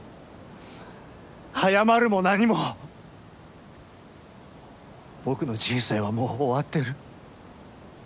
早まるも何も僕の人生はもう終わってる。